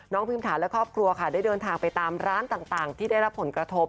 พิมถาและครอบครัวค่ะได้เดินทางไปตามร้านต่างที่ได้รับผลกระทบ